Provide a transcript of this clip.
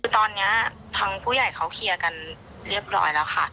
คือตอนนี้ทางผู้ใหญ่เขาเคลียร์กันเรียบร้อยแล้วค่ะ